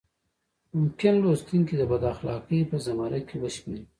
ممکن لوستونکي د بد اخلاقۍ په زمره کې وشمېري.